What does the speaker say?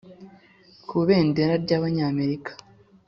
kubendera ry'abanyamerika